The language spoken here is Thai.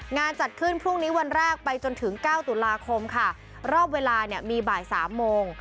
จัดขึ้นพรุ่งนี้วันแรกไปจนถึงเก้าตุลาคมค่ะรอบเวลาเนี่ยมีบ่ายสามโมง